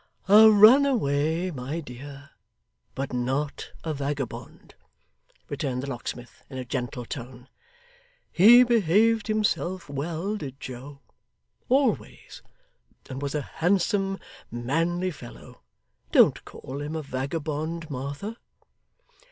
'A runaway, my dear, but not a vagabond,' returned the locksmith in a gentle tone. 'He behaved himself well, did Joe always and was a handsome, manly fellow. Don't call him a vagabond, Martha.